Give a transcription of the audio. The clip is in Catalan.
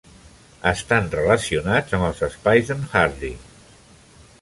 Estan relacionats amb els espais de"n Hardy.